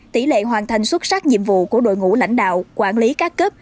tỷ lệ hoàn thành xuất sắc nhiệm vụ của đội ngũ lãnh đạo quản lý các cấp